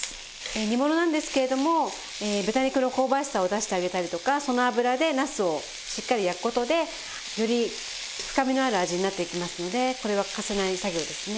煮ものなんですけれども豚肉の香ばしさを出してあげたりとかその脂でなすをしっかり焼く事でより深みのある味になっていきますのでこれは欠かせない作業ですね。